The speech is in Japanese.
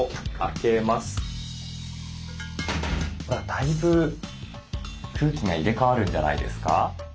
だいぶ空気が入れ替わるんじゃないですか。